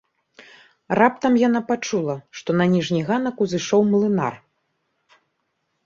Раптам яна пачула, што на ніжні ганак узышоў млынар.